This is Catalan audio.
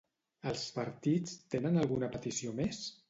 Els partits tenen alguna petició més?